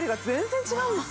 全然違う？